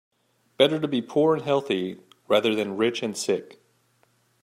Better to be poor and healthy rather than rich and sick.